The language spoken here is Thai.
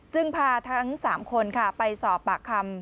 จึงพาทั้งสามคนไปสอบปากคำ